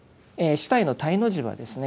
「四諦」の「諦」の字はですね